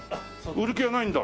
売る気ないんで。